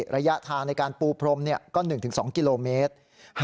ระยะทางในการปูพรมก็๑๒กิโลเมตร